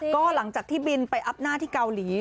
ก็หลังจากที่บินไปอัพหน้าที่เกาหลี